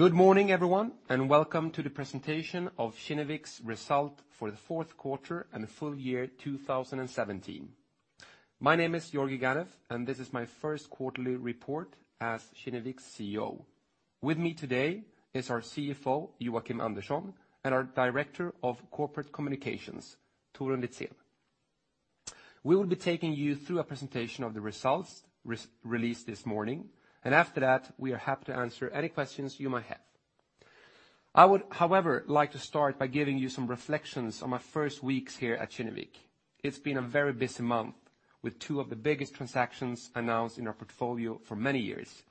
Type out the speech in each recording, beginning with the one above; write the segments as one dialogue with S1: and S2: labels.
S1: Good morning everyone, welcome to the presentation of Kinnevik's result for the fourth quarter and full year 2017. My name is Georgi Ganev; this is my first quarterly report as Kinnevik's CEO. With me today is our CFO, Joakim Andersson, and our Director of Corporate Communications, Torun Litzén. We will be taking you through a presentation of the results released this morning, after that, we are happy to answer any questions you might have. I would, however, like to start by giving you some reflections on my first weeks here at Kinnevik. It's been a very busy month with two of the biggest transactions announced in our portfolio for many years.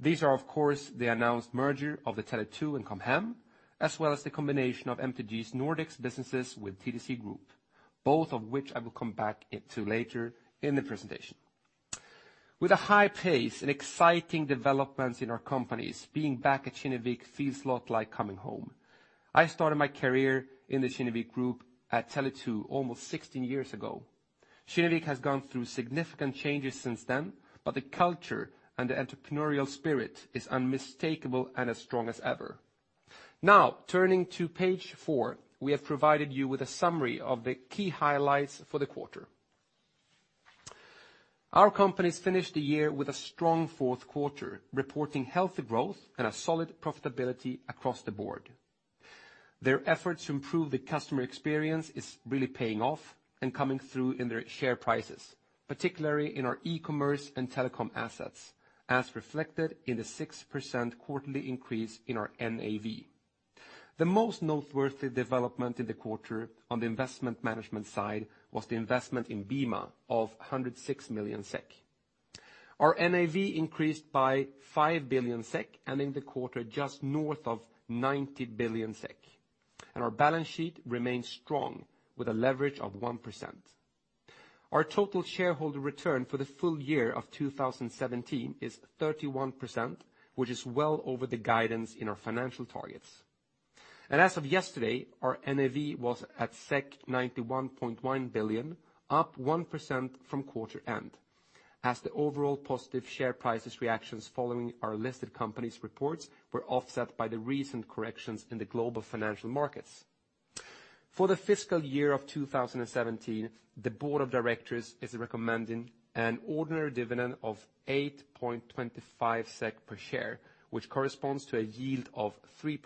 S1: These are, of course, the announced merger of the Tele2 and Com Hem, as well as the combination of MTG's Nordics businesses with TDC Group, both of which I will come back to later in the presentation. With a high pace and exciting developments in our companies, being back at Kinnevik feels a lot like coming home. I started my career in the Kinnevik group at Tele2 almost 16 years ago. Kinnevik has gone through significant changes since then, the culture and the entrepreneurial spirit is unmistakable and as strong as ever. Now, turning to page four, we have provided you with a summary of the key highlights for the quarter. Our companies finished the year with a strong fourth quarter, reporting healthy growth and a solid profitability across the board. Their efforts to improve the customer experience is really paying off and coming through in their share prices, particularly in our e-commerce and telecom assets, as reflected in the 6% quarterly increase in our NAV. The most noteworthy development in the quarter on the investment management side was the investment in BIMA of 106 million SEK. Our NAV increased by 5 billion SEK, ending the quarter just north of 90 billion SEK, our balance sheet remains strong with a leverage of 1%. Our total shareholder return for the full year of 2017 is 31%, which is well over the guidance in our financial targets. As of yesterday, our NAV was at 91.1 billion, up 1% from quarter end, as the overall positive share prices reactions following our listed companies' reports were offset by the recent corrections in the global financial markets. For the fiscal year of 2017, the board of directors is recommending an ordinary dividend of 8.25 SEK per share, which corresponds to a yield of 3%.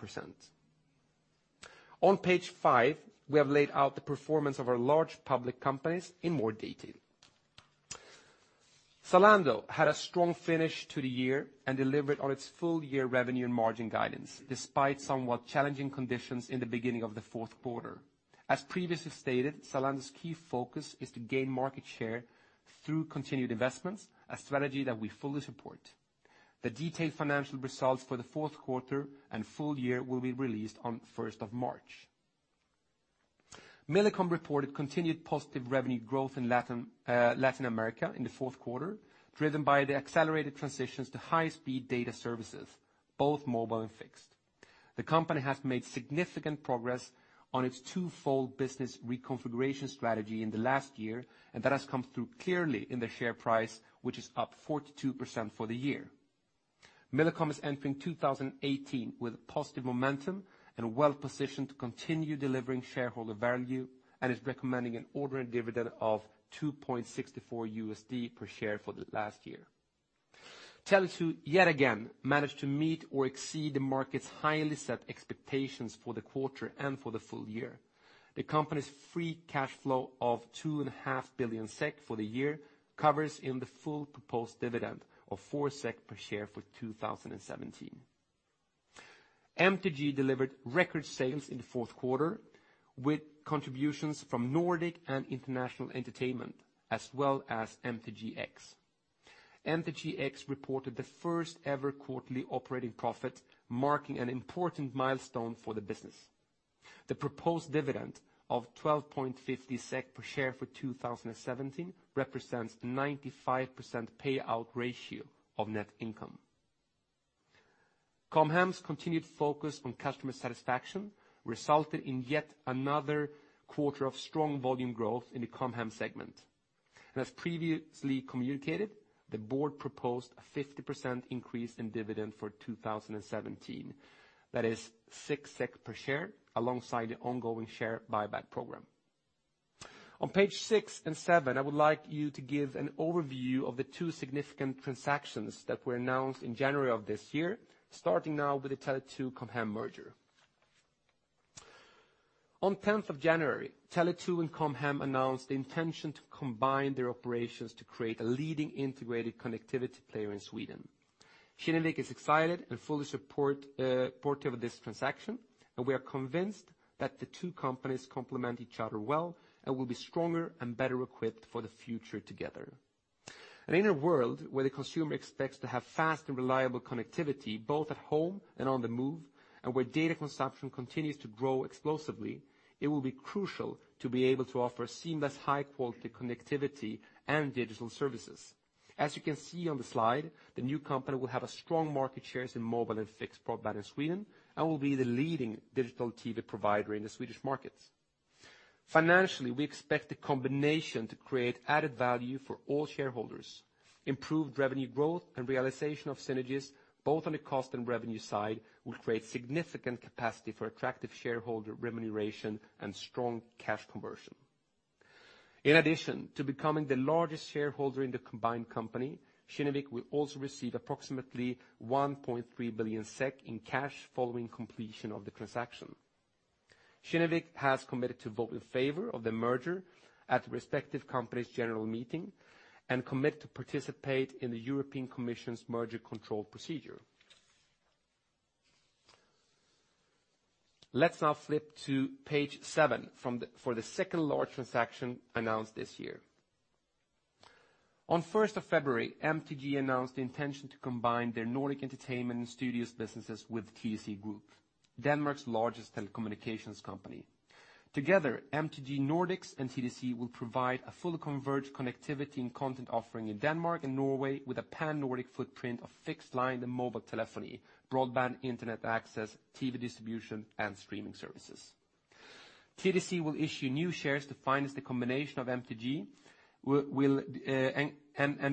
S1: On page five, we have laid out the performance of our large public companies in more detail. Zalando had a strong finish to the year and delivered on its full year revenue and margin guidance, despite somewhat challenging conditions in the beginning of the fourth quarter. As previously stated, Zalando's key focus is to gain market share through continued investments, a strategy that we fully support. The detailed financial results for the fourth quarter and full year will be released on the 1st of March. Millicom reported continued positive revenue growth in Latin America in the fourth quarter, driven by the accelerated transitions to high-speed data services, both mobile and fixed. The company has made significant progress on its twofold business reconfiguration strategy in the last year, that has come through clearly in the share price, which is up 42% for the year. Millicom is entering 2018 with positive momentum and well-positioned to continue delivering shareholder value and is recommending an ordinary dividend of $2.64 per share for the last year. Tele2, yet again, managed to meet or exceed the market's highly set expectations for the quarter and for the full year. The company's free cash flow of 2.5 billion SEK for the year covers in the full proposed dividend of four SEK per share for 2017. MTG delivered record sales in the fourth quarter with contributions from Nordic and international entertainment, as well as MTGx. MTGx reported the first ever quarterly operating profit, marking an important milestone for the business. The proposed dividend of 12.50 SEK per share for 2017 represents 95% payout ratio of net income. Com Hem's continued focus on customer satisfaction resulted in yet another quarter of strong volume growth in the Com Hem segment. As previously communicated, the board proposed a 50% increase in dividend for 2017. That is six SEK per share alongside the ongoing share buyback program. On page six and seven, I would like you to give an overview of the two significant transactions that were announced in January of this year, starting now with the Tele2 Com Hem merger. On 10th of January, Tele2 and Com Hem announced the intention to combine their operations to create a leading integrated connectivity player in Sweden. Kinnevik is excited and fully supportive of this transaction, we are convinced that the two companies complement each other well and will be stronger and better equipped for the future together. In a world where the consumer expects to have fast and reliable connectivity both at home and on the move, and where data consumption continues to grow explosively, it will be crucial to be able to offer seamless, high-quality connectivity and digital services. As you can see on the slide, the new company will have strong market shares in mobile and fixed broadband in Sweden and will be the leading digital TV provider in the Swedish market. Financially, we expect the combination to create added value for all shareholders. Improved revenue growth and realization of synergies, both on the cost and revenue side, will create significant capacity for attractive shareholder remuneration and strong cash conversion. In addition to becoming the largest shareholder in the combined company, Kinnevik will also receive approximately 1.3 billion SEK in cash following completion of the transaction. Kinnevik has committed to vote in favor of the merger at the respective company's general meeting and commit to participate in the European Commission's merger control procedure. Let's now flip to page seven for the second large transaction announced this year. On the 1st of February, MTG announced the intention to combine their Nordic Entertainment and Studios businesses with TDC Group, Denmark's largest telecommunications company. Together, MTG Nordics and TDC will provide a fully converged connectivity and content offering in Denmark and Norway with a pan-Nordic footprint of fixed line and mobile telephony, broadband internet access, TV distribution, and streaming services. TDC will issue new shares to finance the combination of MTG and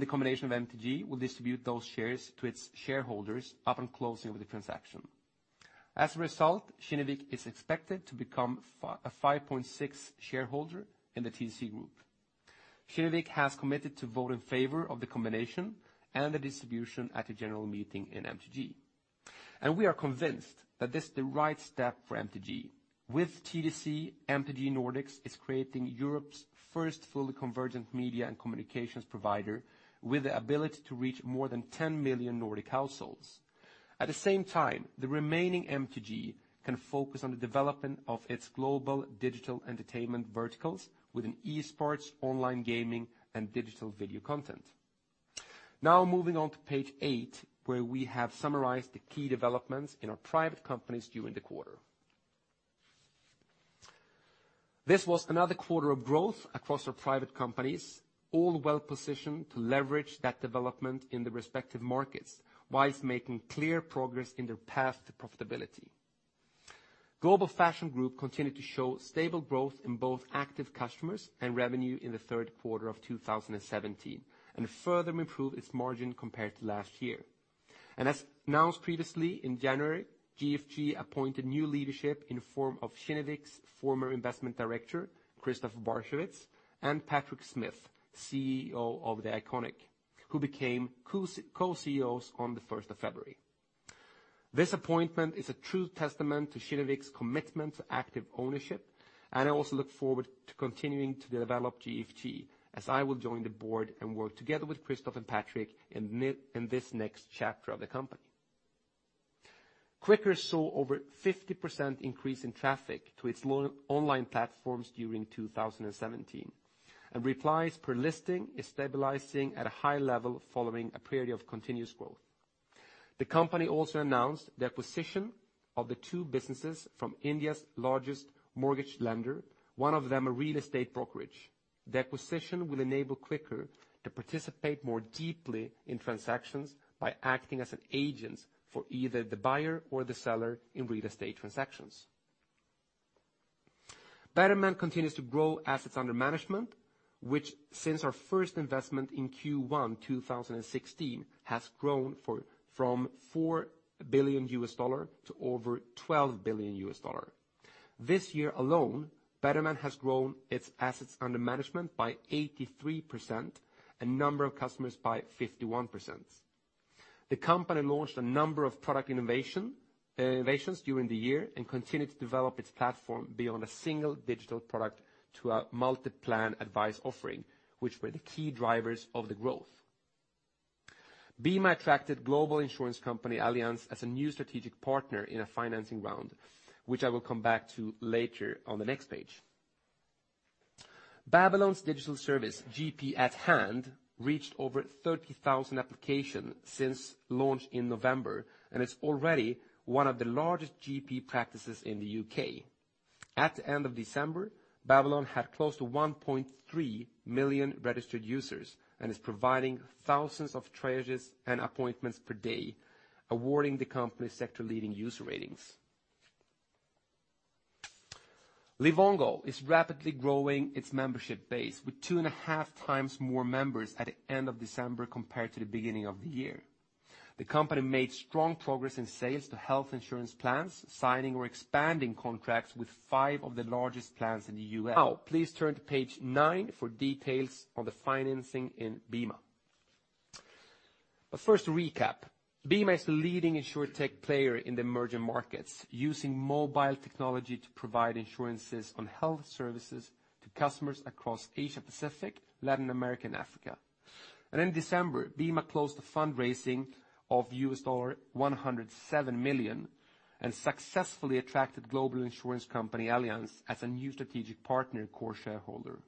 S1: the combination of MTG will distribute those shares to its shareholders upon closing of the transaction. As a result, Kinnevik is expected to become a 5.6 shareholder in the TDC Group. Kinnevik has committed to vote in favor of the combination and the distribution at a general meeting in MTG. We are convinced that this is the right step for MTG. With TDC, MTG Nordics is creating Europe's first fully convergent media and communications provider with the ability to reach more than 10 million Nordic households. At the same time, the remaining MTG can focus on the development of its global digital entertainment verticals with an e-sports, online gaming, and digital video content. Moving on to page eight, where we have summarized the key developments in our private companies during the quarter. This was another quarter of growth across our private companies, all well-positioned to leverage that development in the respective markets whilst making clear progress in their path to profitability. Global Fashion Group continued to show stable growth in both active customers and revenue in the third quarter of 2017 and further improved its margin compared to last year. As announced previously in January, GFG appointed new leadership in the form of Kinnevik's former Investment Director, Christoph Barchewitz, and Patrick Schmidt, CEO of THE ICONIC, who became co-CEOs on the 1st of February. This appointment is a true testament to Kinnevik's commitment to active ownership. I also look forward to continuing to develop GFG, as I will join the board and work together with Christoph and Patrick in this next chapter of the company. Quikr saw over 50% increase in traffic to its online platforms during 2017. Replies per listing is stabilizing at a high level following a period of continuous growth. The company also announced the acquisition of the two businesses from India's largest mortgage lender, one of them a real estate brokerage. The acquisition will enable Quikr to participate more deeply in transactions by acting as an agent for either the buyer or the seller in real estate transactions. Betterment continues to grow assets under management, which, since our first investment in Q1 2016, has grown from $4 billion to over $12 billion. This year alone, Betterment has grown its assets under management by 83% and number of customers by 51%. The company launched a number of product innovations during the year and continued to develop its platform beyond a single digital product to a multi-plan advice offering, which were the key drivers of the growth. BIMA attracted global insurance company Allianz as a new strategic partner in a financing round, which I will come back to later on the next page. Babylon's digital service, GP at Hand, reached over 30,000 applications since launch in November. It's already one of the largest GP practices in the U.K. At the end of December, Babylon had close to 1.3 million registered users and is providing thousands of triages and appointments per day, awarding the company sector-leading user ratings. Livongo is rapidly growing its membership base, with two and a half times more members at the end of December compared to the beginning of the year. The company made strong progress in sales to health insurance plans, signing or expanding contracts with five of the largest plans in the U.S. Please turn to page nine for details on the financing in BIMA. First, a recap. BIMA is the leading insurtech player in the emerging markets, using mobile technology to provide insurances on health services to customers across Asia-Pacific, Latin America, and Africa. In December, BIMA closed a fundraising of $107 million and successfully attracted global insurance company Allianz as a new strategic partner and core shareholder.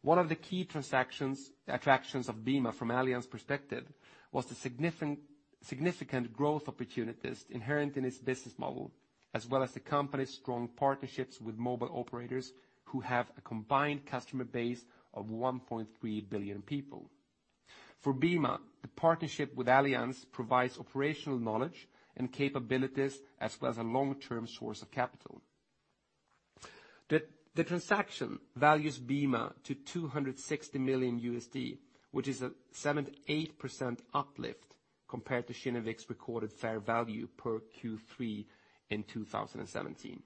S1: One of the key attractions of BIMA from Allianz's perspective was the significant growth opportunities inherent in its business model, as well as the company's strong partnerships with mobile operators who have a combined customer base of 1.3 billion people. For BIMA, the partnership with Allianz provides operational knowledge and capabilities as well as a long-term source of capital. The transaction values BIMA to $260 million, which is a 78% uplift compared to Kinnevik's recorded fair value per Q3 in 2017.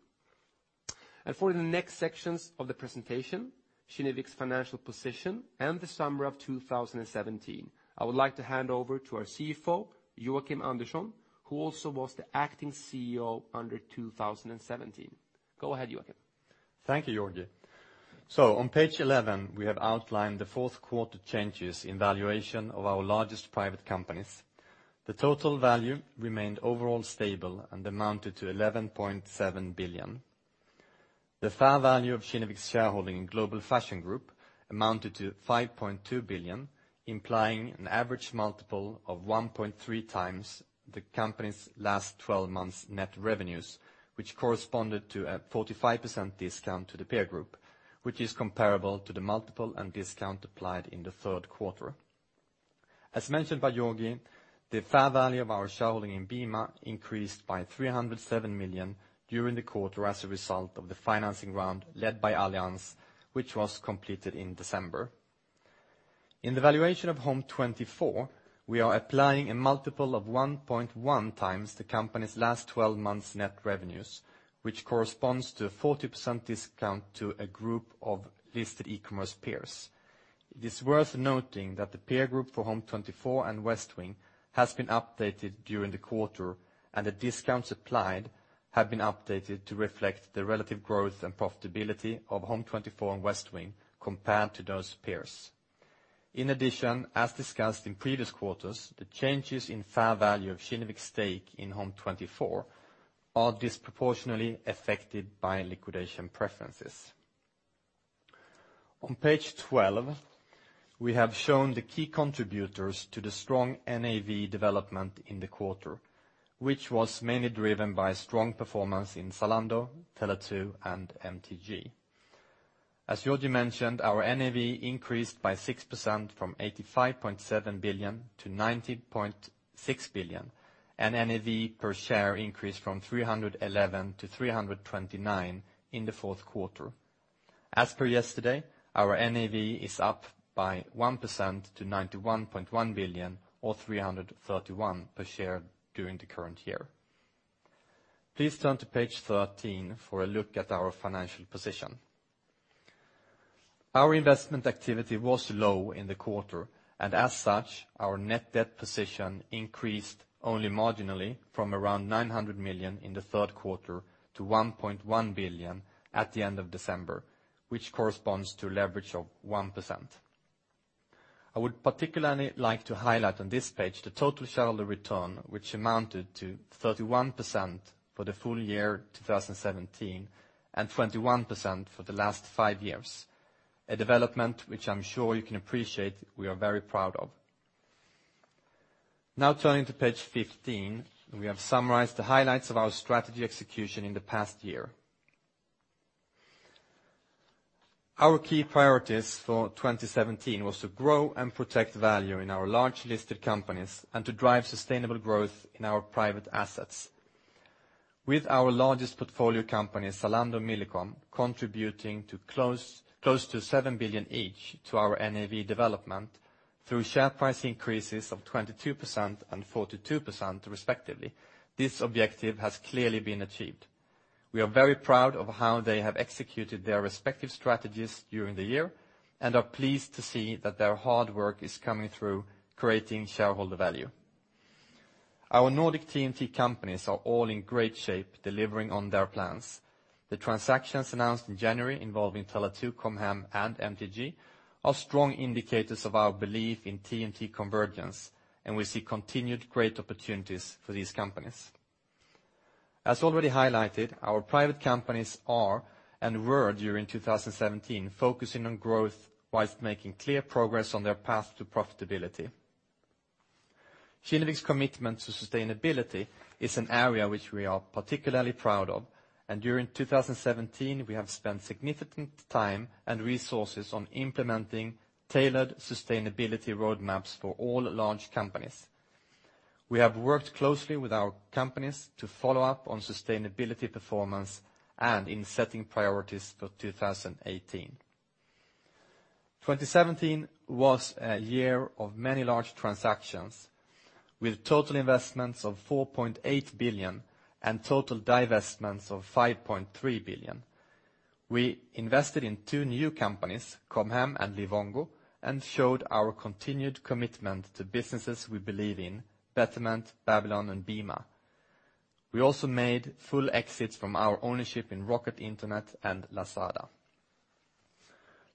S1: For the next sections of the presentation, Kinnevik's financial position and the summer of 2017, I would like to hand over to our CFO, Joakim Andersson, who also was the acting CEO under 2017. Go ahead, Joakim.
S2: Thank you, Georgi. On page 11, we have outlined the fourth quarter changes in valuation of our largest private companies. The total value remained overall stable and amounted to 11.7 billion. The fair value of Kinnevik's shareholding in Global Fashion Group amounted to 5.2 billion, implying an average multiple of 1.3x the company's last 12 months net revenues, which corresponded to a 45% discount to the peer group, which is comparable to the multiple and discount applied in the third quarter. As mentioned by Georgi, the fair value of our shareholding in BIMA increased by 307 million during the quarter as a result of the financing round led by Allianz, which was completed in December. In the valuation of Home24, we are applying a multiple of 1.1x the company's last 12 months net revenues, which corresponds to a 40% discount to a group of listed e-commerce peers. It is worth noting that the peer group for Home24 and Westwing has been updated during the quarter, and the discounts applied have been updated to reflect the relative growth and profitability of Home24 and Westwing compared to those peers. In addition, as discussed in previous quarters, the changes in fair value of Kinnevik's stake in Home24 are disproportionately affected by liquidation preferences. On page 12, we have shown the key contributors to the strong NAV development in the quarter, which was mainly driven by strong performance in Zalando, Tele2, and MTG. As Georgi mentioned, our NAV increased by 6% from 85.7 billion to 90.6 billion, and NAV per share increased from 311 to 329 in the fourth quarter. As per yesterday, our NAV is up by 1% to 91.1 billion or 331 per share during the current year. Please turn to page 13 for a look at our financial position. Our investment activity was low in the quarter. As such, our net debt position increased only marginally from around 900 million in the third quarter to 1.1 billion at the end of December, which corresponds to a leverage of 1%. I would particularly like to highlight on this page the total shareholder return, which amounted to 31% for the full year 2017, and 21% for the last five years. A development which I'm sure you can appreciate, we are very proud of. Turning to page 15, we have summarized the highlights of our strategy execution in the past year. Our key priorities for 2017 was to grow and protect value in our large listed companies and to drive sustainable growth in our private assets. With our largest portfolio companies, Zalando and Millicom, contributing close to 7 billion each to our NAV development through share price increases of 22% and 42% respectively, this objective has clearly been achieved. We are very proud of how they have executed their respective strategies during the year and are pleased to see that their hard work is coming through, creating shareholder value. Our Nordic TMT companies are all in great shape, delivering on their plans. The transactions announced in January involving Tele2, Com Hem, and MTG are strong indicators of our belief in TMT convergence. We see continued great opportunities for these companies. As already highlighted, our private companies are and were during 2017, focusing on growth whilst making clear progress on their path to profitability. Kinnevik's commitment to sustainability is an area which we are particularly proud of. During 2017, we have spent significant time and resources on implementing tailored sustainability roadmaps for all large companies. We have worked closely with our companies to follow up on sustainability performance and in setting priorities for 2018. 2017 was a year of many large transactions with total investments of 4.8 billion and total divestments of 5.3 billion. We invested in two new companies, Com Hem and Livongo. Showed our continued commitment to businesses we believe in, Betterment, Babylon, and BIMA. Also made full exits from our ownership in Rocket Internet and Lazada.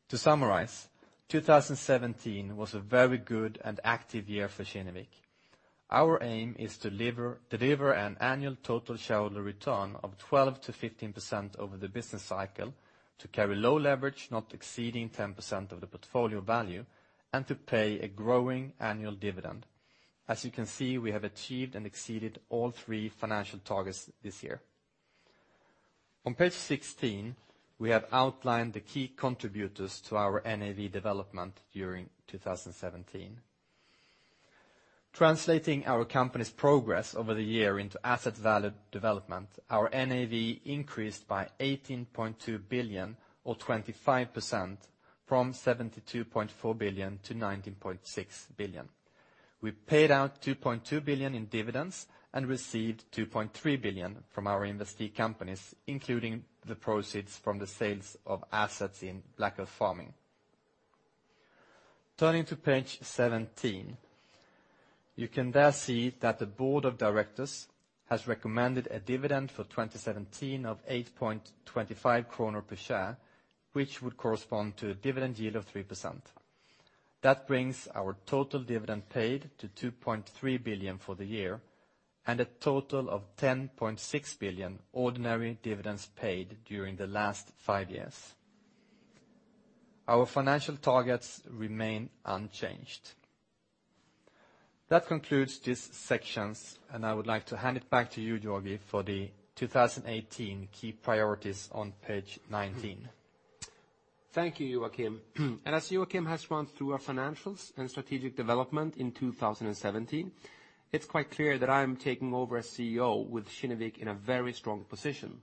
S2: To summarize, 2017 was a very good and active year for Kinnevik. Our aim is to deliver an annual total shareholder return of 12%-15% over the business cycle, to carry low leverage, not exceeding 10% of the portfolio value, and to pay a growing annual dividend. As you can see, we have achieved and exceeded all three financial targets this year. On page 16, we have outlined the key contributors to our NAV development during 2017. Translating our company's progress over the year into asset value development, our NAV increased by 18.2 billion or 25% from 72.4 billion to 90.6 billion. We paid out 2.2 billion in dividends and received 2.3 billion from our investee companies, including the proceeds from the sales of assets in Black Earth Farming. Turning to page 17, you can there see that the board of directors has recommended a dividend for 2017 of 8.25 kronor per share, which would correspond to a dividend yield of 3%. That brings our total dividend paid to 2.3 billion for the year, and a total of 10.6 billion ordinary dividends paid during the last five years. Our financial targets remain unchanged. That concludes this section, and I would like to hand it back to you, Georgi, for the 2018 key priorities on page 19.
S1: Thank you, Joakim. As Joakim has run through our financials and strategic development in 2017, it's quite clear that I am taking over as CEO with Kinnevik in a very strong position.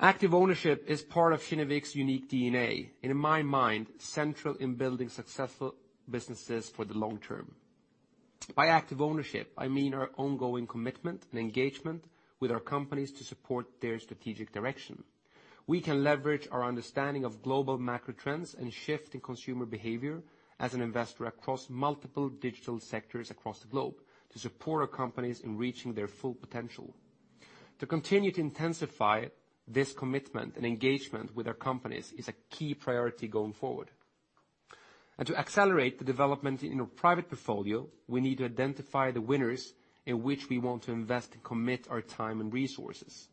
S1: Active ownership is part of Kinnevik's unique DNA, and in my mind, central in building successful businesses for the long term. By active ownership, I mean our ongoing commitment and engagement with our companies to support their strategic direction. We can leverage our understanding of global macro trends and shift in consumer behavior as an investor across multiple digital sectors across the globe to support our companies in reaching their full potential. To continue to intensify this commitment and engagement with our companies is a key priority going forward. To accelerate the development in our private portfolio, we need to identify the winners in which we want to invest and commit our time and resources.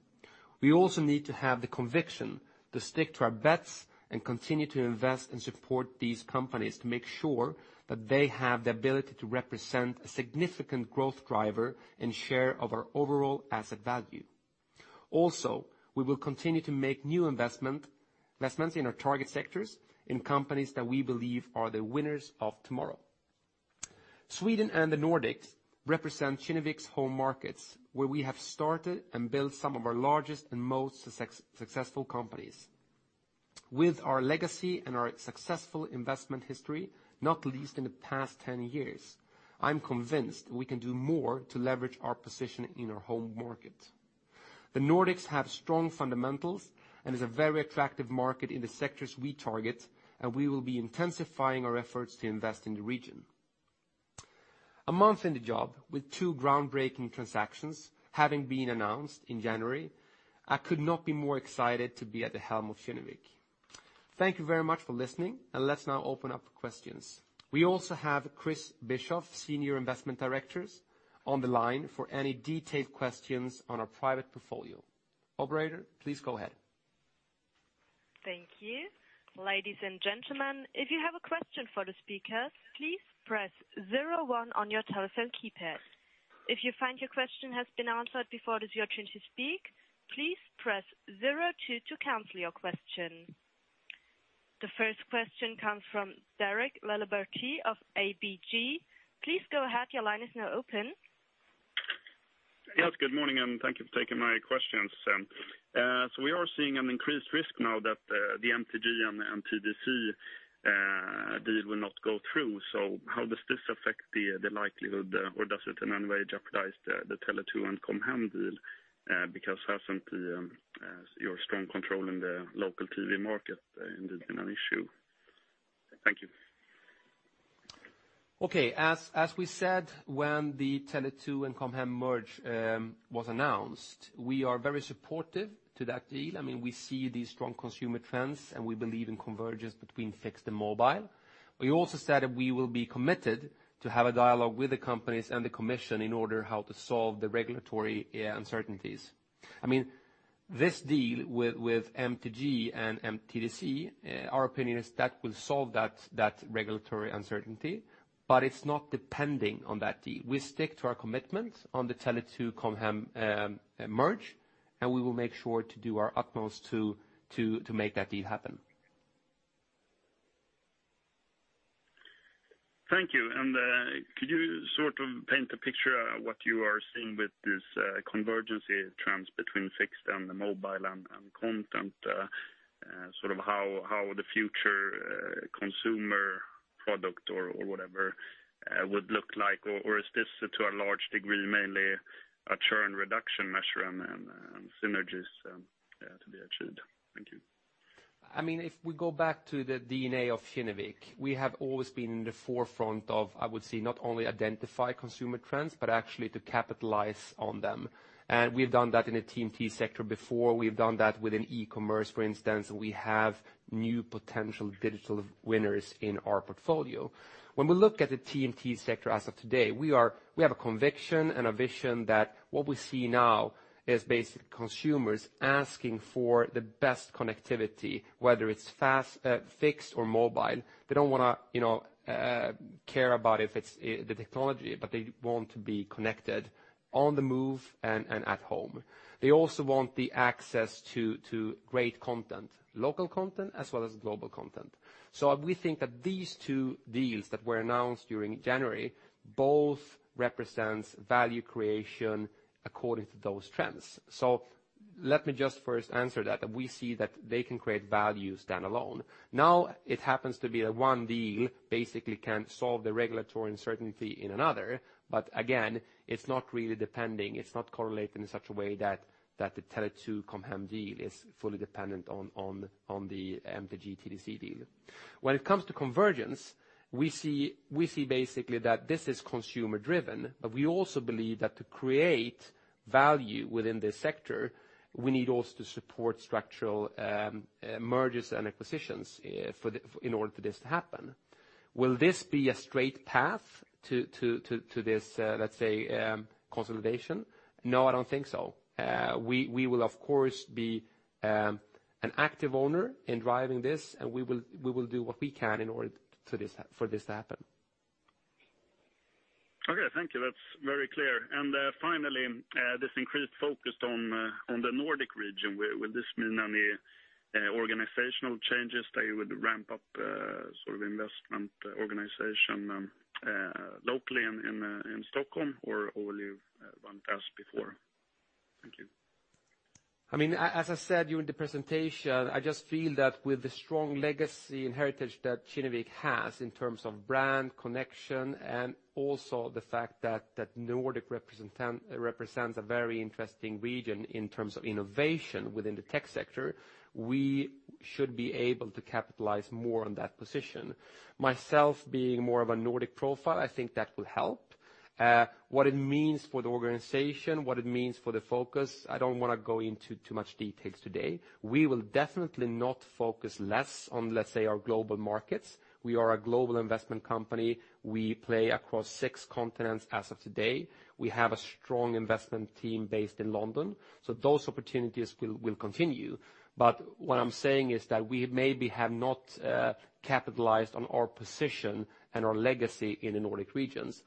S1: We also need to have the conviction to stick to our bets and continue to invest and support these companies to make sure that they have the ability to represent a significant growth driver and share of our overall asset value. Also, we will continue to make new investments in our target sectors in companies that we believe are the winners of tomorrow. Sweden and the Nordics represent Kinnevik's home markets, where we have started and built some of our largest and most successful companies. With our legacy and our successful investment history, not least in the past 10 years, I'm convinced we can do more to leverage our position in our home market. The Nordics have strong fundamentals and is a very attractive market in the sectors we target. We will be intensifying our efforts to invest in the region. A month in the job with two groundbreaking transactions having been announced in January, I could not be more excited to be at the helm of Kinnevik. Thank you very much for listening. Let's now open up for questions. We also have Chris Bischoff, Senior Investment Director, on the line for any detailed questions on our private portfolio. Operator, please go ahead.
S3: Thank you. Ladies and gentlemen, if you have a question for the speakers, please press 01 on your telephone keypad. If you find your question has been answered before it is your turn to speak, please press 02 to cancel your question. The first question comes from Derek Laliberté of ABG. Please go ahead, your line is now open.
S4: Yes, good morning. Thank you for taking my questions. We are seeing an increased risk now that the MTG and TDC deal will not go through. How does this affect the likelihood, or does it in any way jeopardize the Tele2 and Com Hem deal? Hasn't your strong control in the local TV market been an issue? Thank you.
S1: Okay. As we said, when the Tele2 and Com Hem merge was announced, we are very supportive to that deal. We see the strong consumer trends. We believe in convergence between fixed and mobile. We also said that we will be committed to have a dialogue with the companies and the commission in order how to solve the regulatory uncertainties. This deal with MTG and TDC, our opinion is that will solve that regulatory uncertainty, but it's not depending on that deal. We stick to our commitment on the Tele2-Com Hem merge. We will make sure to do our utmost to make that deal happen.
S4: Thank you. Could you sort of paint a picture of what you are seeing with this convergence trends between fixed and the mobile and content, sort of how the future consumer product or whatever would look like? Is this to a large degree mainly a churn reduction measure and synergies to be achieved? Thank you.
S1: If we go back to the DNA of Kinnevik, we have always been in the forefront of, I would say, not only identify consumer trends, but actually to capitalize on them. We've done that in the TMT sector before. We've done that within e-commerce, for instance. We have new potential digital winners in our portfolio. When we look at the TMT sector as of today, we have a conviction and a vision that what we see now is basically consumers asking for the best connectivity, whether it's fixed or mobile. They don't want to care about if it's the technology, but they want to be connected on the move and at home. They also want the access to great content, local content as well as global content. We think that these two deals that were announced during January both represents value creation according to those trends. Let me just first answer that. We see that they can create value standalone. Now it happens to be that one deal basically can solve the regulatory uncertainty in another, but again, it's not really depending, it's not correlated in such a way that the Tele2 Com Hem deal is fully dependent on the MTG TDC deal. When it comes to convergence, we see basically that this is consumer driven, but we also believe that to create value within this sector, we need also to support structural mergers and acquisitions in order for this to happen. Will this be a straight path to this consolidation? No, I don't think so. We will, of course, be an active owner in driving this, and we will do what we can in order for this to happen.
S4: Okay, thank you. That's very clear. Finally, this increased focus on the Nordic region, would this mean any organizational changes that you would ramp up sort of investment organization locally in Stockholm or will you want as before? Thank you.
S1: As I said during the presentation, I just feel that with the strong legacy and heritage that Kinnevik has in terms of brand connection and also the fact that Nordic represents a very interesting region in terms of innovation within the tech sector, we should be able to capitalize more on that position. Myself being more of a Nordic profile, I think that will help. What it means for the organization, what it means for the focus, I don't want to go into too much details today. We will definitely not focus less on, let's say, our global markets. We are a global investment company. We play across six continents as of today. We have a strong investment team based in London. Those opportunities will continue. What I'm saying is that we maybe have not capitalized on our position and our legacy in the Nordic regions.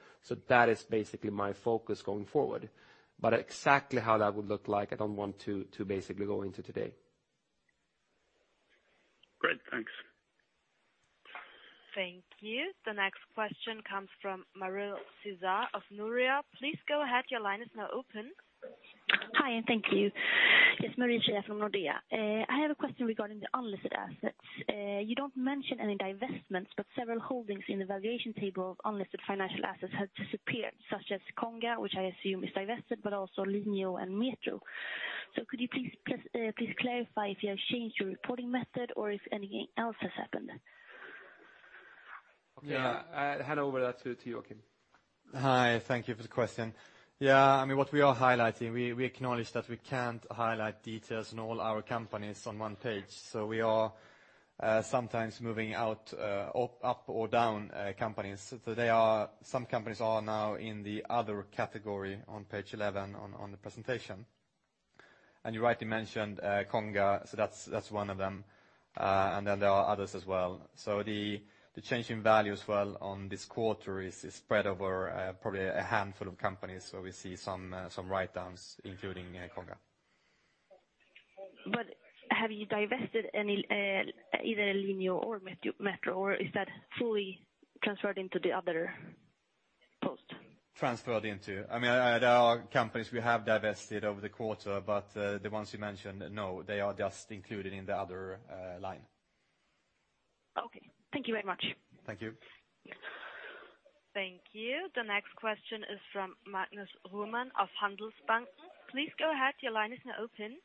S1: That is basically my focus going forward. Exactly how that would look like, I don't want to basically go into today.
S4: Great. Thanks.
S3: Thank you. The next question comes from Marie Suza of Nordea. Please go ahead. Your line is now open.
S5: Hi. Thank you. Yes, Marie Suza from Nordea. I have a question regarding the unlisted assets. You don't mention any divestments, but several holdings in the valuation table of unlisted financial assets have disappeared, such as Konga, which I assume is divested, also Linio and Metro. Could you please clarify if you have changed your reporting method or if anything else has happened?
S2: Yeah. I hand over that to you, Joakim. Hi. Thank you for the question. Yeah. What we are highlighting, we acknowledge that we can't highlight details on all our companies on one page. We are sometimes moving out, up or down companies. Some companies are now in the other category on page 11 on the presentation. You rightly mentioned Konga, that's one of them. There are others as well. The change in value as well on this quarter is spread over probably a handful of companies where we see some write-downs, including Konga.
S5: Have you divested either Linio or Metro, or is that fully transferred into the other post?
S2: There are companies we have divested over the quarter, the ones you mentioned, no, they are just included in the other line.
S5: Okay. Thank you very much.
S2: Thank you.
S3: Thank you. The next question is from Magnus Råman of Handelsbanken. Please go ahead. Your line is now open.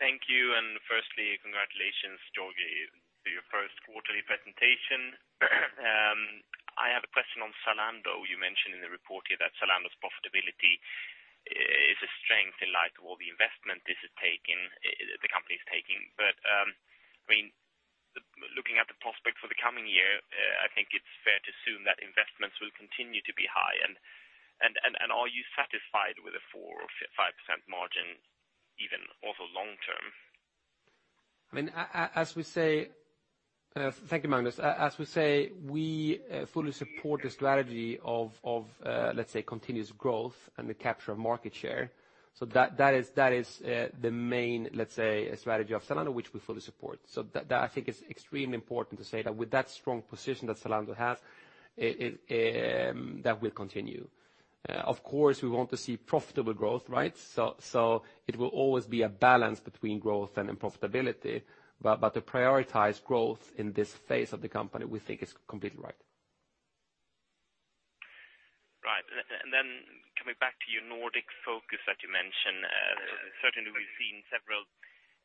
S6: Thank you. Firstly, congratulations, Georgi, to your first quarterly presentation. I have a question on Zalando. You mentioned in the report here that Zalando's profitability is a strength in light of all the investment the company is taking. Looking at the prospect for the coming year, I think it's fair to assume that investments will continue to be high. Are you satisfied with a 4% or 5% margin even over long term?
S1: Thank you, Magnus. As we say, we fully support the strategy of continuous growth and the capture of market share. That is the main strategy of Zalando, which we fully support. That I think is extremely important to say that with that strong position that Zalando has, that will continue. Of course, we want to see profitable growth, right? It will always be a balance between growth and profitability. To prioritize growth in this phase of the company, we think is completely right.
S6: Right. Coming back to your Nordic focus that you mentioned, certainly we've seen several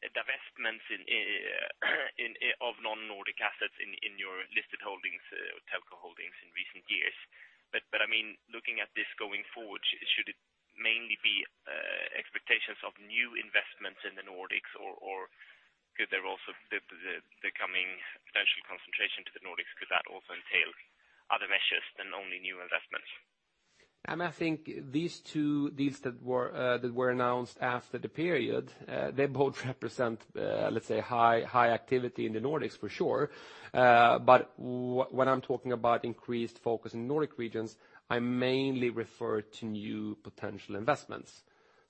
S6: divestments of non-Nordic assets in your listed holdings, telco holdings in recent years. Looking at this going forward, should it mainly be expectations of new investments in the Nordics, or could there also be the coming potential concentration to the Nordics, could that also entail other measures than only new investments?
S1: I think these two deals that were announced after the period, they both represent high activity in the Nordics for sure. When I'm talking about increased focus in Nordic regions, I mainly refer to new potential investments.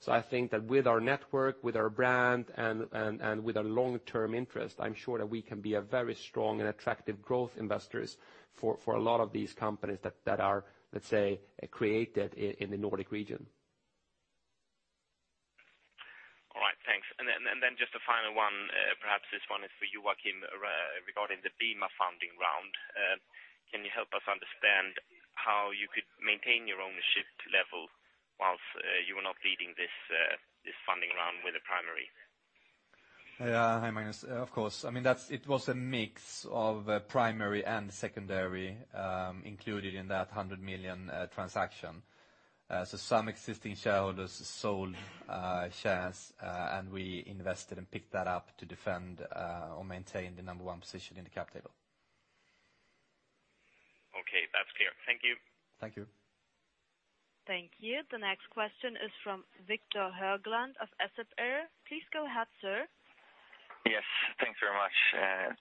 S1: I think that with our network, with our brand, and with a long-term interest, I'm sure that we can be a very strong and attractive growth investors for a lot of these companies that are created in the Nordic region.
S6: Just a final one. Perhaps this one is for you, Joakim, regarding the BIMA funding round. Can you help us understand how you could maintain your ownership level whilst you were not leading this funding round with a primary?
S2: Hi, Magnus. Of course. It was a mix of primary and secondary included in that 100 million transaction. Some existing shareholders sold shares, and we invested and picked that up to defend or maintain the number one position in the cap table.
S6: Okay. That's clear. Thank you.
S2: Thank you.
S3: Thank you. The next question is from Victor Höglund of SEB. Please go ahead, sir.
S7: Yes, thanks very much.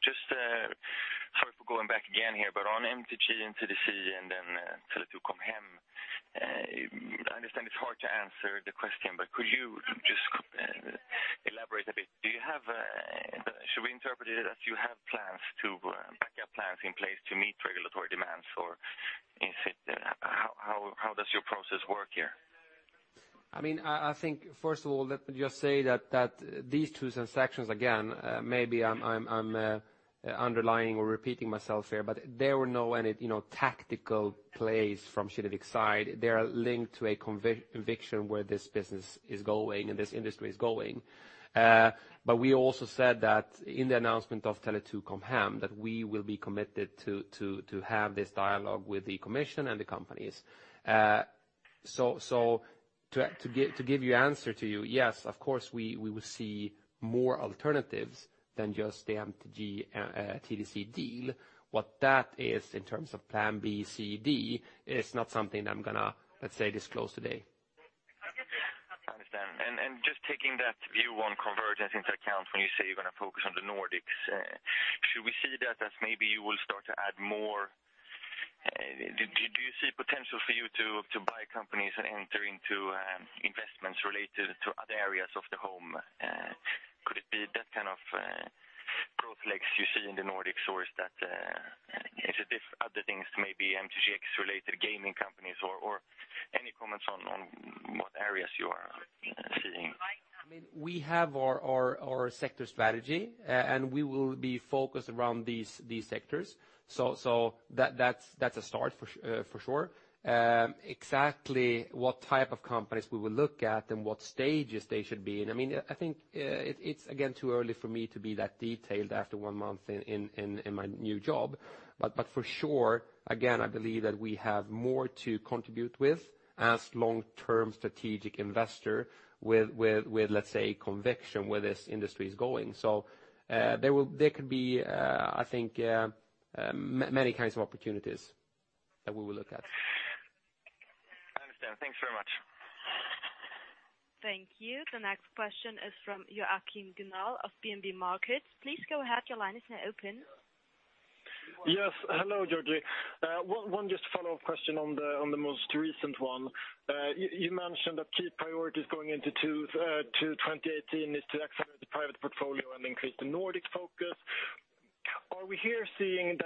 S7: Just sorry for going back again here, but on MTG TDC and then Tele2 Com Hem. I understand it's hard to answer the question, but could you just elaborate a bit? Should we interpret it as you have backup plans in place to meet regulatory demands, or how does your process work here?
S1: I think, first of all, let me just say that these two transactions, again, maybe I'm underlining or repeating myself here, but there were no tactical plays from Kinnevik's side. They are linked to a conviction where this business is going and this industry is going. We also said that in the announcement of Tele2 Com Hem, that we will be committed to have this dialogue with the Commission and the companies. To give you answer to you, yes, of course, we will see more alternatives than just the MTG/TDC deal. What that is in terms of plan B, C, D, is not something I'm going to, let's say, disclose today.
S7: I understand. Just taking that view on convergence into account, when you say you're going to focus on the Nordics, should we see that as maybe you will start to add more? Do you see potential for you to buy companies and enter into investments related to other areas of the home? Could it be that kind of growth legs you see in the Nordics, or is it other things, maybe MTGx-related gaming companies? Any comments on what areas you are seeing?
S1: We have our sector strategy, we will be focused around these sectors. That's a start, for sure. Exactly what type of companies we will look at and what stages they should be in, I think it's again, too early for me to be that detailed after one month in my new job. For sure, again, I believe that we have more to contribute with as long-term strategic investor with conviction where this industry is going. There could be many kinds of opportunities that we will look at.
S7: I understand. Thanks very much.
S3: Thank you. The next question is from Joakim Gunnal of DNB Markets. Please go ahead. Your line is now open.
S8: Yes. Hello, Georgi. One just follow-up question on the most recent one. You mentioned that key priorities going into 2018 is to accelerate the private portfolio and increase the Nordic focus. Are we here seeing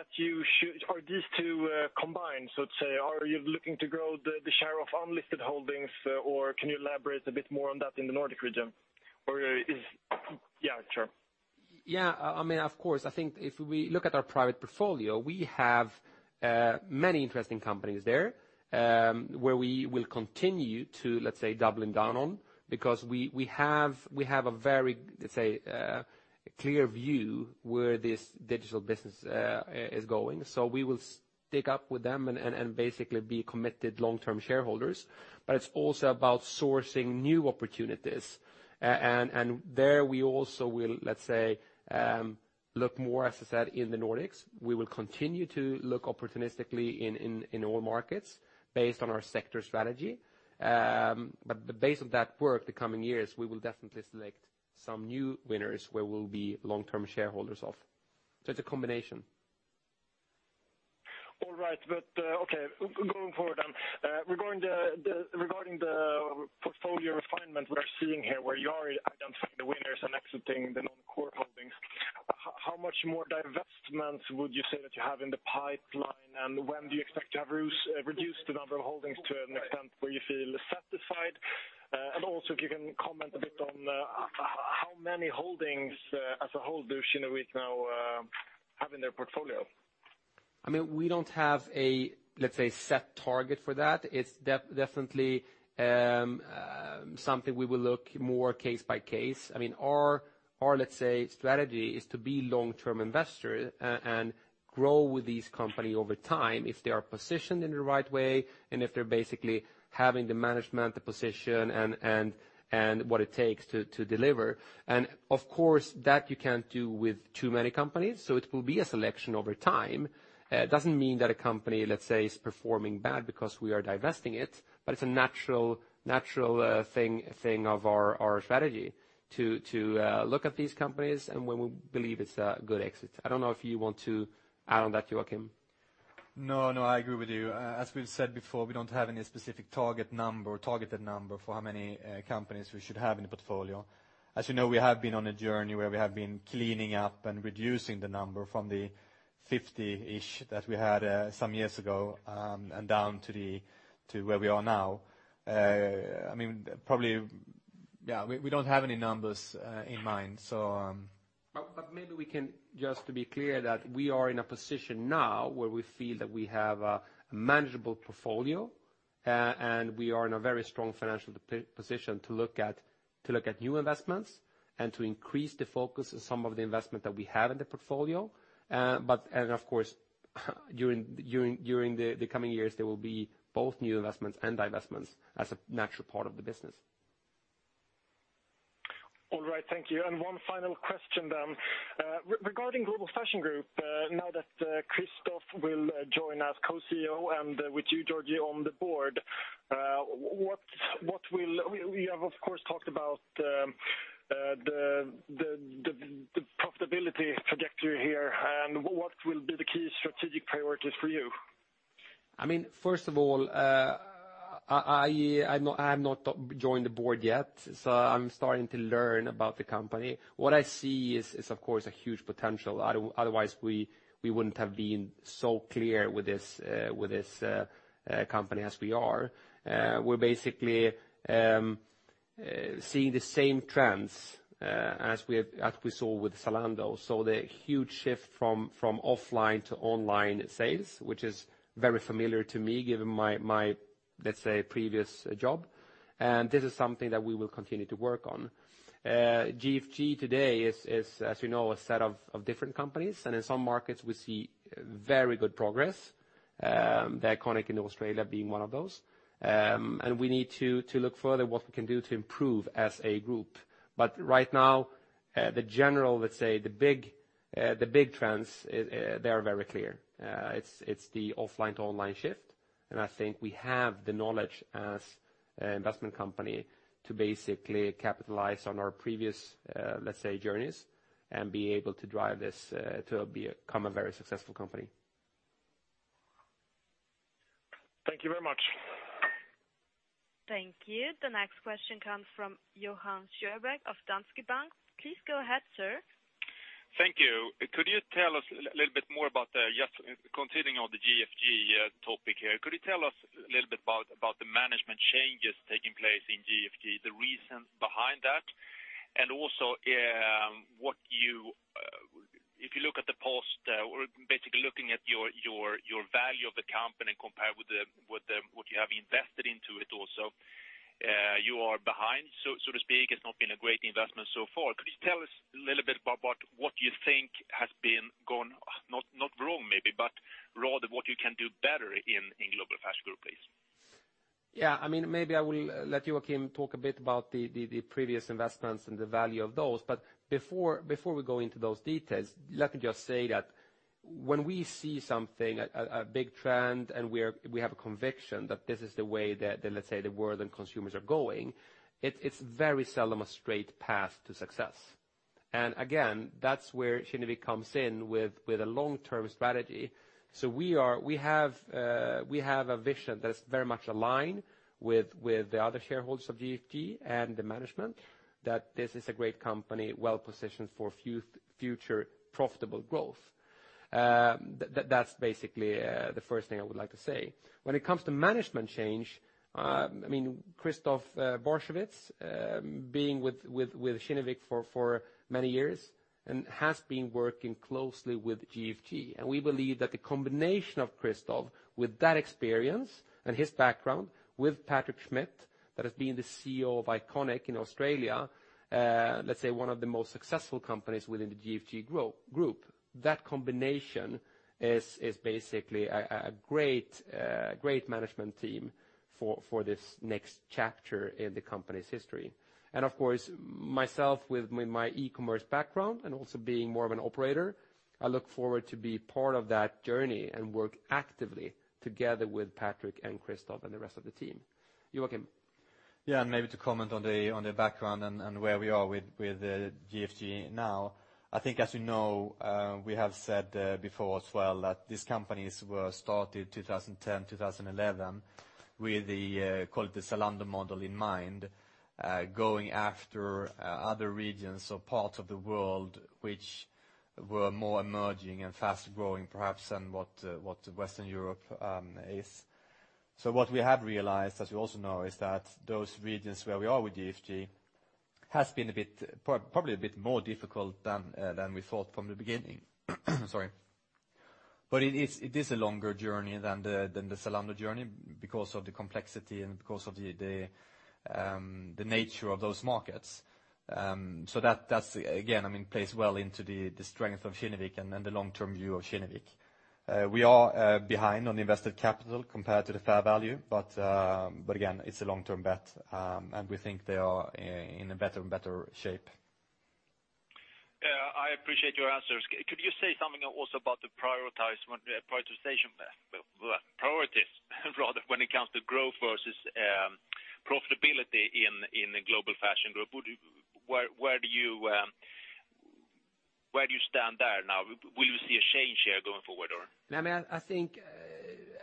S8: are these two combined, so let's say, are you looking to grow the share of unlisted holdings, or can you elaborate a bit more on that in the Nordic region? Yeah, sure.
S1: Yeah. Of course. I think if we look at our private portfolio, we have many interesting companies there where we will continue to, let's say, doubling down on, because we have a very clear view where this digital business is going. We will stick up with them and basically be committed long-term shareholders. It's also about sourcing new opportunities, and there we also will look more, as I said, in the Nordics. We will continue to look opportunistically in all markets based on our sector strategy. The base of that work the coming years, we will definitely select some new winners where we'll be long-term shareholders of. It's a combination.
S8: All right. Okay, going forward then. Regarding the portfolio refinement we are seeing here where you are identifying the winners and exiting the non-core holdings, how much more divestments would you say that you have in the pipeline, and when do you expect to have reduced the number of holdings to an extent where you feel satisfied? Also, if you can comment a bit on how many holdings as a whole does Kinnevik now have in their portfolio?
S1: We don't have a set target for that. It's definitely something we will look more case by case. Our strategy is to be long-term investor and grow with these company over time if they are positioned in the right way and if they're basically having the management, the position, and what it takes to deliver. Of course, that you can't do with too many companies, so it will be a selection over time. It doesn't mean that a company is performing bad because we are divesting it, but it's a natural thing of our strategy to look at these companies and when we believe it's a good exit. I don't know if you want to add on that, Joakim.
S2: No, I agree with you. As we've said before, we don't have any specific targeted number for how many companies we should have in the portfolio. As you know, we have been on a journey where we have been cleaning up and reducing the number from the 50-ish that we had some years ago and down to where we are now. Probably, we don't have any numbers in mind. Maybe we can, just to be clear, that we are in a position now where we feel that we have a manageable portfolio, and we are in a very strong financial position to look at new investments and to increase the focus on some of the investment that we have in the portfolio. Of course, during the coming years, there will be both new investments and divestments as a natural part of the business.
S8: All right. Thank you. One final question then. Regarding Global Fashion Group, now that Christoph will join as Co-CEO, and with you, Georgi, on the board, we have, of course, talked about the profitability trajectory here. What will be the key strategic priorities for you?
S1: First of all, I have not joined the board yet, so I'm starting to learn about the company. What I see is, of course, a huge potential. Otherwise, we wouldn't have been so clear with this company as we are. We're basically seeing the same trends as we saw with Zalando. The huge shift from offline to online sales, which is very familiar to me given my, let's say, previous job, and this is something that we will continue to work on. GFG today is, as you know, a set of different companies, and in some markets, we see very good progress, THE ICONIC in Australia being one of those. We need to look further at what we can do to improve as a group. Right now, the general, let's say, the big trends, they are very clear. It's the offline to online shift, and I think we have the knowledge as an investment company to basically capitalize on our previous, let's say, journeys and be able to drive this to become a very successful company.
S8: Thank you very much.
S3: Thank you. The next question comes from Johan Sjöberg of Danske Bank. Please go ahead, sir.
S9: Thank you. Just continuing on the GFG topic here, could you tell us a little bit about the management changes taking place in GFG, the reasons behind that, and also if you look at basically looking at your value of the company compared with what you have invested into it also, you are behind, so to speak. It's not been a great investment so far. Could you tell us a little bit about what you think has been gone, not wrong maybe, but rather what you can do better in Global Fashion Group, please?
S1: Yeah. Maybe I will let Joakim talk a bit about the previous investments and the value of those. Before we go into those details, let me just say that when we see something, a big trend, and we have a conviction that this is the way that, let's say, the world and consumers are going, it's very seldom a straight path to success. Again, that's where Kinnevik comes in with a long-term strategy. We have a vision that's very much aligned with the other shareholders of GFG and the management, that this is a great company, well-positioned for future profitable growth. That's basically the first thing I would like to say. When it comes to management change, Christoph Barchewitz being with Kinnevik for many years and has been working closely with GFG. We believe that the combination of Christoph with that experience and his background with Patrick Schmidt, that has been the CEO of Iconic in Australia, let's say one of the most successful companies within the GFG group. That combination is basically a great management team for this next chapter in the company's history. Of course, myself with my e-commerce background and also being more of an operator, I look forward to be part of that journey and work actively together with Patrick and Christoph and the rest of the team. Joakim. Maybe to comment on the background and where we are with GFG now.
S2: I think as you know, we have said before as well, that these companies were started 2010, 2011 with the call it the Zalando model in mind, going after other regions or parts of the world which were more emerging and fast-growing, perhaps, than what Western Europe is. What we have realized, as you also know, is that those regions where we are with GFG has been probably a bit more difficult than we thought from the beginning. Sorry. It is a longer journey than the Zalando journey because of the complexity and because of the nature of those markets. That, again, plays well into the strength of Kinnevik and the long-term view of Kinnevik. We are behind on invested capital compared to the fair value, but again, it's a long-term bet, and we think they are in a better shape.
S9: Yeah, I appreciate your answers. Could you say something also about the priorities when it comes to growth versus profitability in Global Fashion Group? Where do you stand there now? Will you see a change here going forward, or?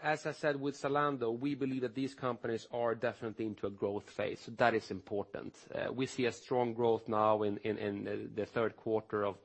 S1: As I said with Zalando, we believe that these companies are definitely into a growth phase. That is important. We see a strong growth now in the third quarter of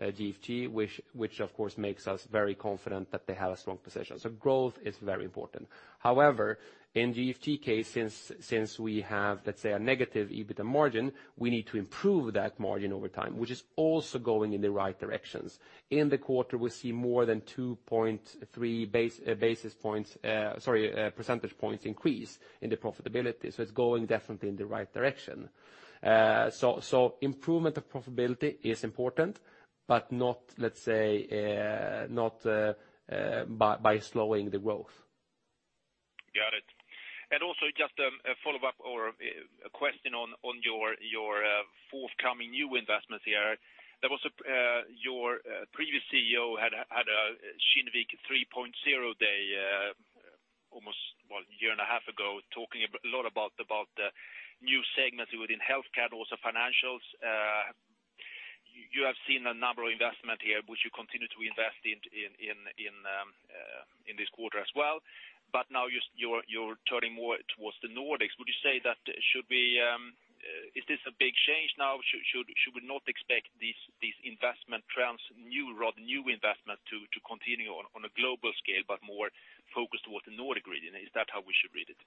S1: GFG, which of course makes us very confident that they have a strong position. Growth is very important. However, in GFG case since we have, let's say, a negative EBITDA margin, we need to improve that margin over time, which is also going in the right directions. In the quarter, we see more than 2.3 percentage points increase in the profitability. It's going definitely in the right direction. Improvement of profitability is important, but not by slowing the growth.
S9: Got it. Also just a follow-up or a question on your forthcoming new investments here. Your previous CEO had a Kinnevik 3.0 day almost, well, a year and a half ago, talking a lot about the new segments within healthcare and also financials. You have seen a number of investment here, which you continue to invest in this quarter as well. Now you're turning more towards the Nordics. Is this a big change now? Should we not expect these investment trends, rather new investment to continue on a global scale but more focused towards the Nordic region? Is that how we should read it?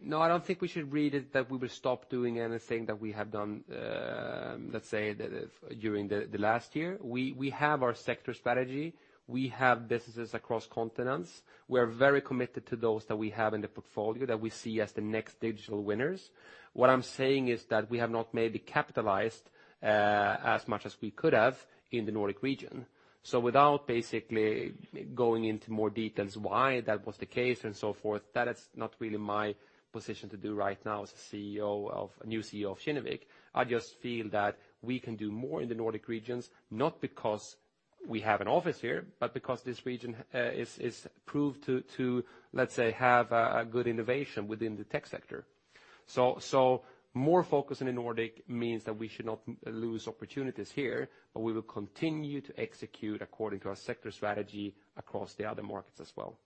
S1: No, I don't think we should read it that we will stop doing anything that we have done during the last year. We have our sector strategy. We have businesses across continents. We are very committed to those that we have in the portfolio that we see as the next digital winners. What I'm saying is that we have not maybe capitalized as much as we could have in the Nordic region. Without basically going into more details why that was the case and so forth, that is not really my position to do right now as the new CEO of Kinnevik. I just feel that we can do more in the Nordic regions, not because we have an office here, but because this region is proved to have a good innovation within the tech sector. More focus in the Nordic means that we should not lose opportunities here, but we will continue to execute according to our sector strategy across the other markets as well.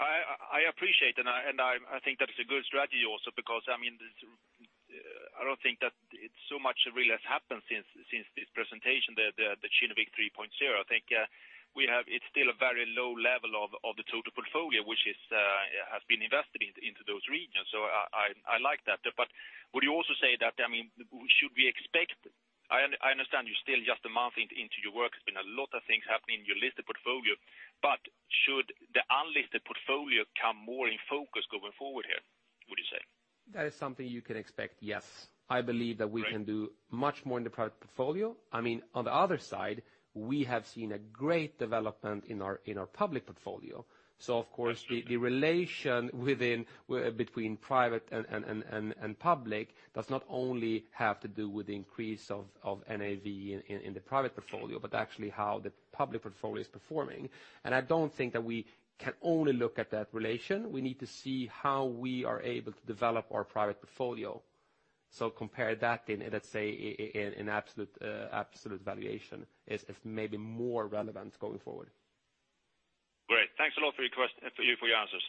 S9: I appreciate, and I think that is a good strategy also because I don't think that it's so much really has happened since this presentation, the Kinnevik 3.0. I think it's still a very low level of the total portfolio, which has been invested into those regions. I like that. I understand you're still just a month into your work. There's been a lot of things happening in your listed portfolio. Should the unlisted portfolio come more in focus going forward here, would you say?
S1: That is something you can expect, yes. I believe that we can do much more in the private portfolio. On the other side, we have seen a great development in our public portfolio. Of course, the relation between private and public does not only have to do with the increase of NAV in the private portfolio, but actually how the public portfolio is performing. I don't think that we can only look at that relation. We need to see how we are able to develop our private portfolio. Compare that in, let's say, absolute valuation is maybe more relevant going forward.
S9: Great. Thanks a lot for your answers.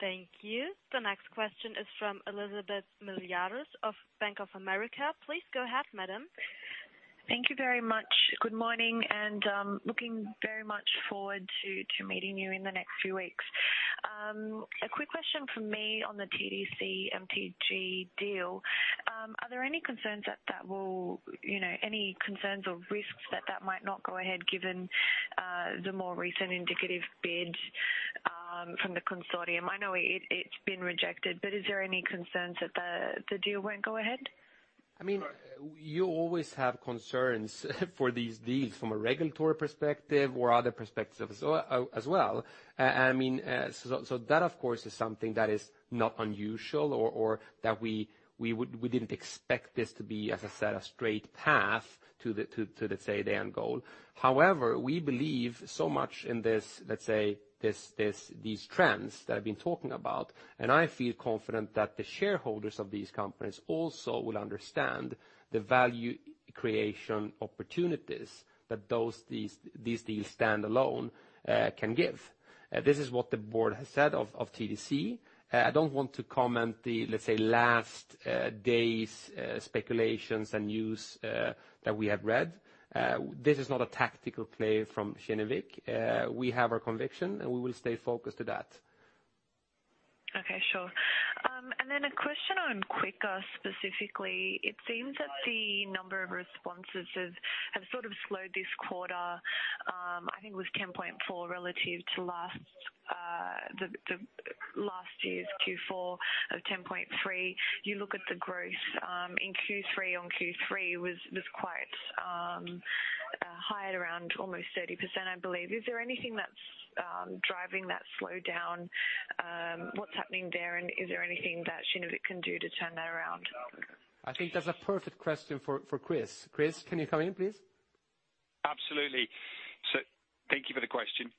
S3: Thank you. The next question is from Elizabeth Miliatis of Bank of America. Please go ahead, madam.
S10: Thank you very much. Good morning. Looking very much forward to meeting you in the next few weeks. A quick question from me on the TDC MTG deal. Are there any concerns or risks that that might not go ahead given the more recent indicative bid from the consortium? I know it's been rejected, but is there any concerns that the deal won't go ahead?
S1: You always have concerns for these deals from a regulatory perspective or other perspectives as well. That, of course, is something that is not unusual or that we didn't expect this to be, as I said, a straight path to the end goal. We believe so much in these trends that I've been talking about. I feel confident that the shareholders of these companies also will understand the value creation opportunities that these deals standalone can give. This is what the board has said of TDC. I don't want to comment the last day's speculations and news that we have read. This is not a tactical play from Kinnevik. We have our conviction. We will stay focused to that.
S10: Okay, sure. A question on Quikr, specifically. It seems that the number of responses have sort of slowed this quarter. I think it was 10.4 relative to last year's Q4 of 10.3. You look at the growth in Q3 on Q3 was quite high at around almost 30%, I believe. Is there anything that's driving that slowdown? What's happening there? Is there anything that Kinnevik can do to turn that around?
S1: I think that's a perfect question for Chris. Chris, can you come in, please?
S11: Absolutely. Thank you for the question.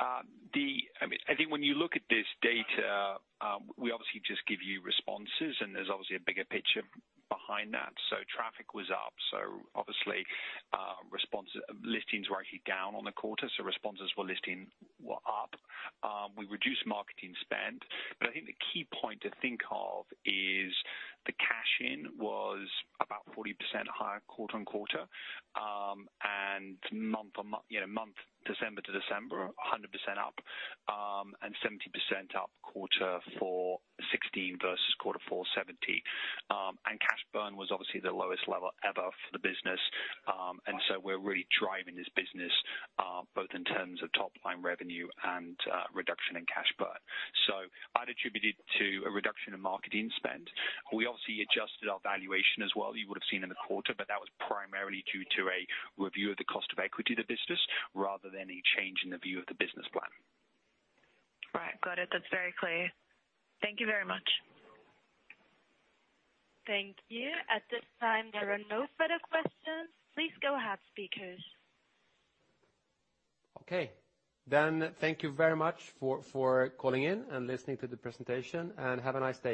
S11: I think when you look at this data, we obviously just give you responses, and there's obviously a bigger picture behind that. Traffic was up. Obviously, listings were actually down on the quarter, so responses for listing were up. We reduced marketing spend. I think the key point to think of is the cash in was about 40% higher quarter-on-quarter, and December to December, 100% up, and 70% up quarter four 2017 versus quarter four 2016. Cash burn was obviously the lowest level ever for the business. We're really driving this business both in terms of top-line revenue and reduction in cash burn. I'd attribute it to a reduction in marketing spend. We obviously adjusted our valuation as well, you would have seen in the quarter, That was primarily due to a review of the cost of equity of the business rather than a change in the view of the business plan.
S10: Right. Got it. That's very clear. Thank you very much.
S3: Thank you. At this time, there are no further questions. Please go ahead, speakers.
S1: Okay. Thank you very much for calling in and listening to the presentation, and have a nice day.